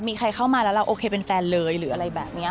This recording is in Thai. มีใครเข้ามาแล้วเราโอเคเป็นแฟนเลยหรืออะไรแบบนี้